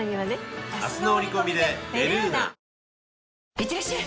いってらっしゃい！